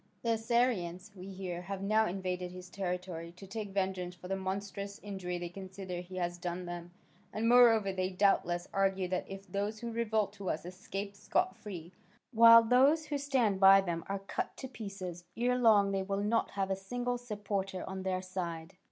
The Assyrians, we hear, have now invaded his territory, to take vengeance for the monstrous injury they consider he has done them, and moreover, they doubtless argue that if those who revolt to us escape scot free, while those who stand by them are cut to pieces, ere long they will not have a single supporter on their side.